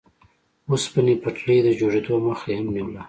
اوسپنې پټلۍ د جوړېدو مخه یې هم نیوله.